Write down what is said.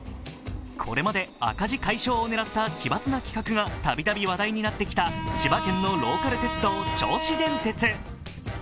これまで赤字解消を狙った奇抜な企画がたびたび話題になってきた千葉県のローカル鉄道、銚子電鉄。